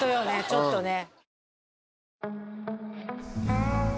ちょっとね